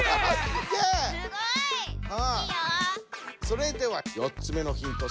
それでは４つ目のヒント